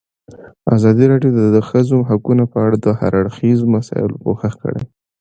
ازادي راډیو د د ښځو حقونه په اړه د هر اړخیزو مسایلو پوښښ کړی.